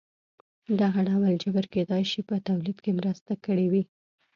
دغه ډول جبر کېدای شي په تولید کې مرسته کړې وي.